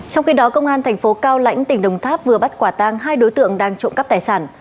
trong khi đó công an thành phố cao lãnh tỉnh đồng tháp vừa bắt quả tang hai đối tượng đang trộm cắp tài sản